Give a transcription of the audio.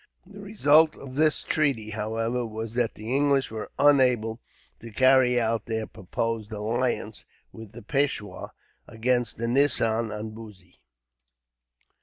The result of this treaty, however, was that the English were unable to carry out their proposed alliance, with the peishwar, against the nizam and Bussy.